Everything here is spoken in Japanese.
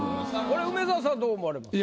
これ梅沢さんどう思われますか？